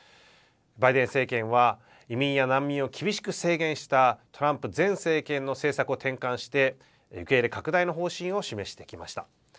バイデン政権は移民や難民を厳しく制限したトランプ前政権の政策を転換して受け入れ拡大の方針を示してきました。